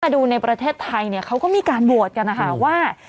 ดูในประเทศไทยเนี่ยเขาก็มีการโหวตกันนะคะว่า